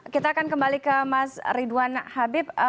kita akan kembali ke mas ridwan habib